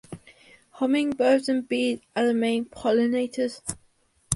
Hummingbirds and bees are the main pollinators.